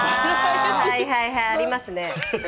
はいはい、ありますね。